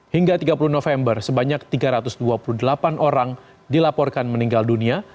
hingga tiga puluh november sebanyak tiga ratus dua puluh delapan orang dilaporkan meninggal dunia